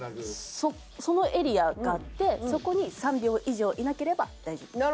そのエリアがあってそこに３秒以上いなければ大丈夫です。